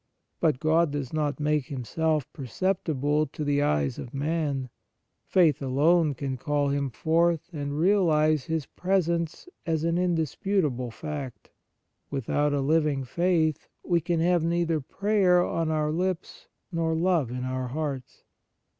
But God does not make Him self perceptible to the eyes of man; faith alone can call Him forth and realize His presence as an indis putable fact. Without a living faith we can have neither prayer on our lips nor love in our hearts.